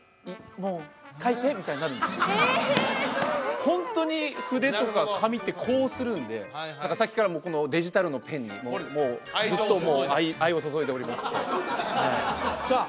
そうなんだ面白いホントに筆とか紙って呼応するんでさっきからもうこのデジタルのペンにもうずっと愛を注いでおりましてさあ